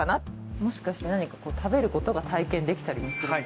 もしかして何か食べることが体験できたりもするんですか？